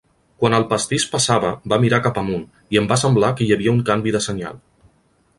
Quan el pastís passava, va mirar cap amunt, i em va semblar que hi havia un canvi de senyal.